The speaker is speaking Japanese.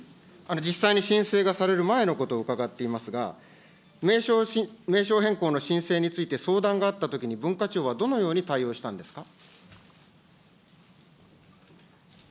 実際に申請がされる前のことを伺っていますが、名称変更の申請について相談があったときに、文化庁はどのように対応したんですか。